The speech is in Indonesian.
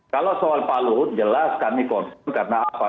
kalau soal pak luhut jelas kami confirm karena apa